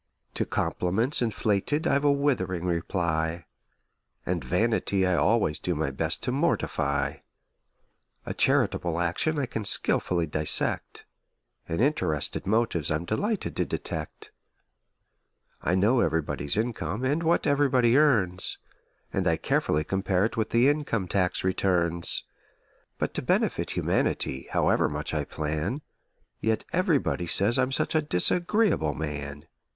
To compliments inflated I've a withering reply; And vanity I always do my best to mortify; A charitable action I can skilfully dissect: And interested motives I'm delighted to detect. I know everybody's income and what everybody earns, And I carefully compare it with the income tax returns; But to benefit humanity, however much I plan, Yet everybody says I'm such a disagreeable man!